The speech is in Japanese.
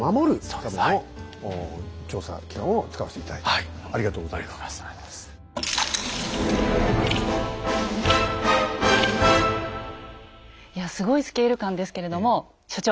いやすごいスケール感ですけれども所長。